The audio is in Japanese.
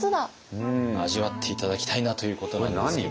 味わって頂きたいなということなんですけれども。